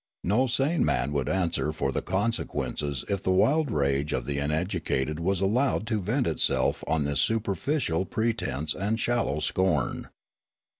No sane man would answer for the consequences if the wild rage of the uneducated was allowed to vent itself on this superficial pretence and shallow scorn.